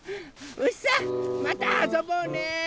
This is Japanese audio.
うしさんまたあそぼうね！